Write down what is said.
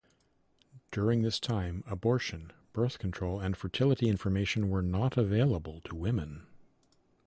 During this time, abortion, birth control and fertility information were not available to women.